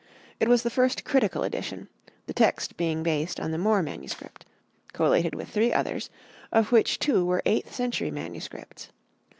It was the first critical edition, the text being based on the Moore MS. collated with three others, of which two were eighth century MSS.